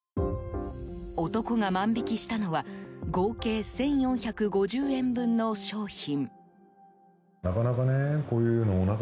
男が万引きしたのは合計１４５０円分の商品。